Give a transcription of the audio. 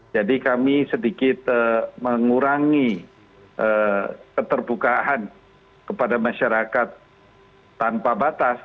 jadi kami sedikit mengurangi keterbukaan kepada masyarakat tanpa batas